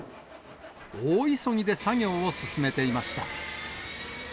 大急ぎで作業を進めていました。